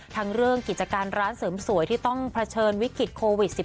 ทั้งเรื่องกิจการร้านเสริมสวยที่ต้องเผชิญวิกฤตโควิด๑๙